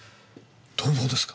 泥棒ですか？